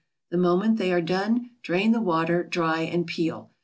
The moment they are done, drain the water, dry and peel.